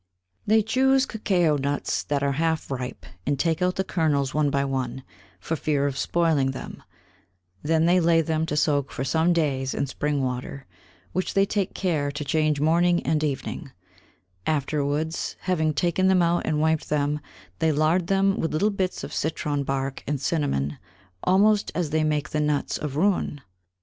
They chuse Cocao Nuts that are half ripe, and take out the Kernels one by one, for fear of spoiling them; they then lay them to soak for some Days in Spring Water, which they take care to change Morning and Evening: afterwards, having taken them out and wiped them, they lard them with little Bits of Citron Bark and Cinnamon, almost as they make the Nuts of Roüen.